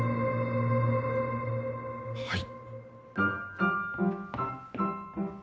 はい。